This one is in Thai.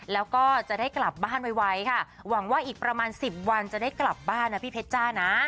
แล้วก็จะได้กลับบ้านไวค่ะหวังว่าอีกประมาณ๑๐วันจะได้กลับบ้านนะพี่เพชรจ้านะ